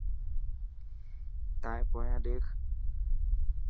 تائن پونيان ڏيک.